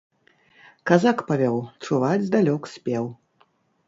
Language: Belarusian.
Казак павёў, чуваць здалёк спеў.